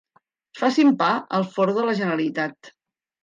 Facin pa al forn de la Generalitat.